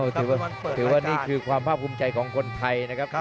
ถือว่านี่คือความภาพภูมิใจของคนไทยนะครับ